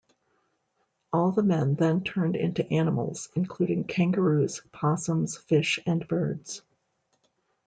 All the men then turned into animals, including kangaroos, possums, fish and birds.